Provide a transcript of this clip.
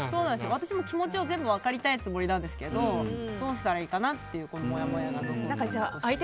私も気持ちを全部分かりたい気持ちなんですけどどうしたらいいかなっていうもやもやが残っていて。